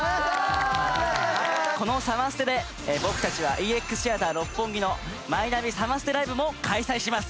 このサマステで僕たちはＥＸシアター六本木のマイナビサマステライブも開催します！